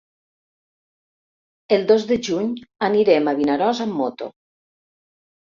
El dos de juny anirem a Vinaròs amb moto.